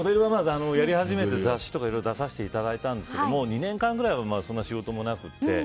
やり始めて雑誌とかいろいろ出させてもらったんですけど２年間ぐらいはそんな仕事もなくて。